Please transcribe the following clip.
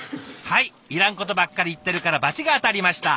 いらんことばっかり言ってるから罰が当たりました。